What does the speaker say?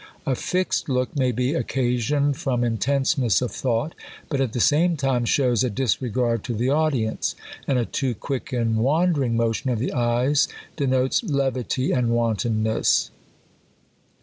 A fixed look may be occasioned from intenseness of thought ; but at the same time shows a disre^gard to the audience ; and a too quick and wan dering motion of the eyes denotes levity and wanton ness.